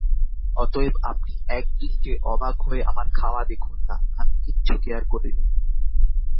অতএব আপনি একদৃষ্টে অবাক হয়ে আমার খাওয়া দেখুন-না, আমি কিচ্ছু কেয়ার করি নে।